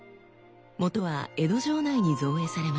もとは江戸城内に造営されました。